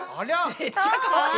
めっちゃかわいい！